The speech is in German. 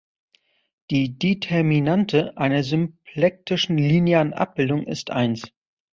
Die Determinante einer symplektischen linearen Abbildung ist eins.